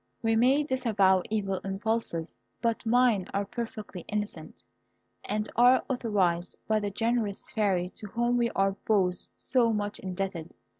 We may disavow evil impulses; but mine are perfectly innocent, and are authorised by the generous Fairy to whom we are both so much indebted.